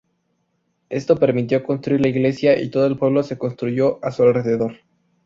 Esto permitió construir la Iglesia y todo el pueblo se construyó a su alrededor.